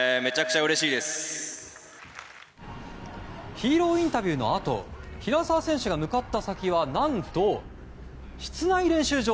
ヒーローインタビュー後平沢選手をつけると向かった先は、何と室内練習場。